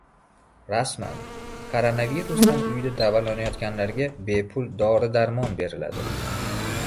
Rasman! Koronavirusdan uyida davolanayotganlarga bepul dori-darmon beriladi